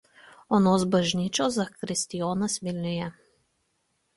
Onos bažnyčios zakristijonas Vilniuje.